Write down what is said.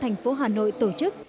thành phố hà nội tổ chức